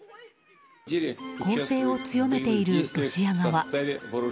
攻勢を強めている、ロシア側。